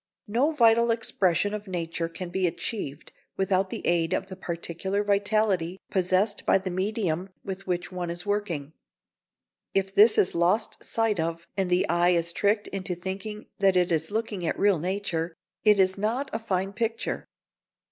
No vital expression of nature can be achieved without the aid of the particular vitality possessed by the medium with which one is working. If this is lost sight of and the eye is tricked into thinking that it is looking at real nature, it is not a fine picture.